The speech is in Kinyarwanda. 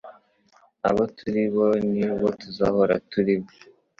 Abo turi bo nibo tuzahora turibo